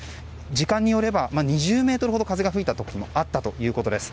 時間によれば、２０メートルほど風が吹いた時もあったということです。